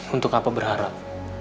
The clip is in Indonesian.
untuk apa berharap